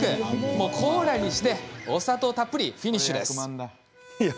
もうコーラにしてお砂糖たっぷりフィニッシュです